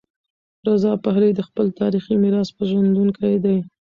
رضا پهلوي د خپل تاریخي میراث پیژندونکی دی.